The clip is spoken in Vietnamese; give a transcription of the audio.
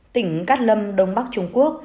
tỉnh cát lâm đông bắc trung quốc